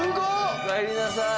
おかえりなさい。